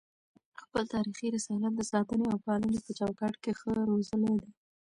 خپل تاریخي رسالت د ساتني او پالني په چوکاټ کي ښه روزلی دی